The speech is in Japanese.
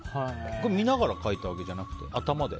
見ながら描いたわけじゃなくて頭で？